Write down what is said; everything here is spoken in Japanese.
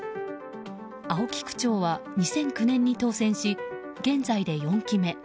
青木区長は２００９年に当選し現在で４期目。